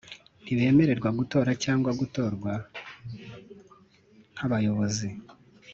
ntibemererwa gutora cyangwa gutorwa nk’abayobozi,